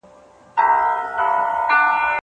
لویه جرګه کله خپله وروستۍ پرېکړه اعلانوي؟